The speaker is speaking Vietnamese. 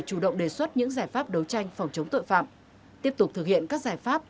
chủ động đề xuất những giải pháp đấu tranh phòng chống tội phạm tiếp tục thực hiện các giải pháp